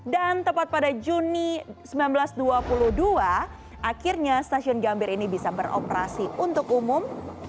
dan tepat pada juni seribu sembilan ratus dua puluh dua akhirnya stasiun gambir ini bisa beroperasi untuk umum